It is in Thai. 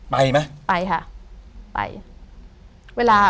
ไปมั้ยไปค่ะไป